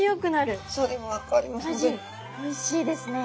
おいしいですね。